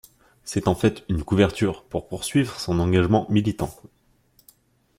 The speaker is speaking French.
C'est en fait une couverture pour poursuivre son engagement militant.